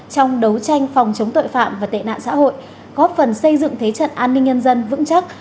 trong đấu tranh phòng chống tội phạm và tệ nạn xã hội góp phần xây dựng thế trận an ninh nhân dân vững chắc